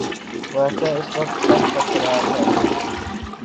بادشاہ اس وقت تک برقرار ہے۔